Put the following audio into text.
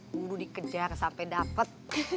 kudu dikejar sampai dapet